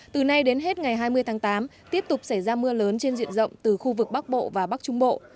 từ nay đến hết ngày hai mươi tháng tám tiếp tục xảy ra mưa lớn trên diện rộng từ khu vực bắc bộ và bắc trung bộ